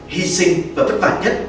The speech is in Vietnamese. hy sinh và vất vả nhất